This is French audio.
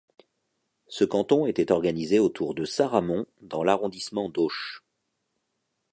Ce canton était organisé autour de Saramon dans l'arrondissement d'Auch.